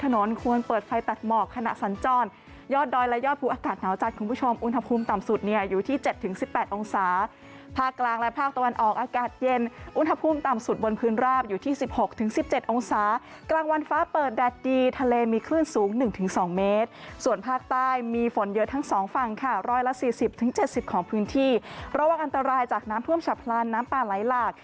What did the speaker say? นอนควรเปิดไฟตัดหมอกขณะสันจ้อนยอดดอยและยอดภูอากาศหนาวจัดคุณผู้ชมอุณหภูมิต่ำสุดเนี่ยอยู่ที่๗๑๘องศาภาคกลางและภาคตะวันออกอากาศเย็นอุณหภูมิต่ำสุดบนพื้นราบอยู่ที่๑๖๑๗องศากลางวันฟ้าเปิดแดดดีทะเลมีคลื่นสูง๑๒เมตรส่วนภาคใต้มีฝนเยอะทั้งสองฝั่งค่ะร